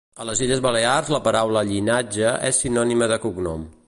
A les Illes Balears la paraula llinatge és sinònima de cognom.